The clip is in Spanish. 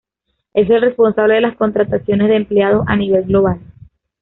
Es el responsable de las contrataciones de empleados a nivel global.